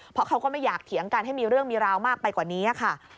เพราะเขาก็ไม่อยากเถียงกันให้มีเรื่องมีราวมากไปกว่านี้ค่ะ